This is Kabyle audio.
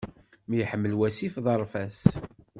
Mi iḥmel wasif, ḍeṛṛef-as.